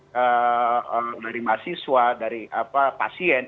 dari mahasiswa dari pasien